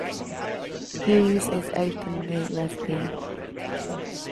Hughes is openly lesbian.